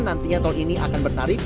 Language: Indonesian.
nantinya tol ini akan bertarik